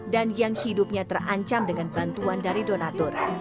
dan yang hidupnya terancam dengan bantuan dari donatur